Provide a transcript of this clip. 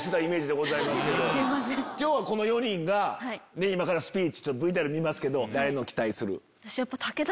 今日はこの４人が今からスピーチＶＴＲ見ますけど誰のを期待する？